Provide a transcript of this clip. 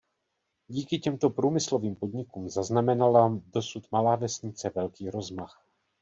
Díky těmto průmyslovým podnikům zaznamenala dosud malá vesnice velký rozmach.